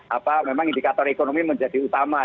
apa memang indikator ekonomi menjadi utama